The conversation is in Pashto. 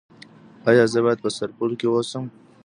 ایا زه باید په سرپل کې اوسم؟